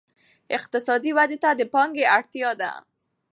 اقتصادي ودې ته د پانګې اړتیا ده.